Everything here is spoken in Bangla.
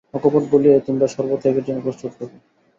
অকপট বলিয়াই তোমরা সর্বত্যাগের জন্য প্রস্তুত হইবে।